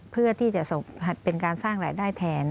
เพื่อที่จะเป็นการสร้างรายได้แทน